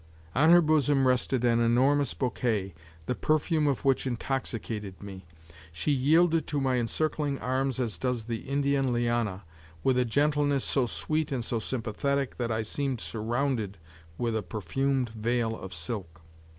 On her bosom rested an enormous bouquet, the perfume of which intoxicated me. She yielded to my encircling arms as does the Indian liana, with a gentleness so sweet and so sympathetic that I seemed surrounded with a perfumed veil of silk.